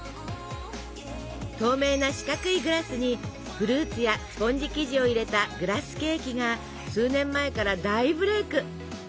透明な四角いグラスにフルーツやスポンジ生地を入れたグラスケーキが数年前から大ブレイク！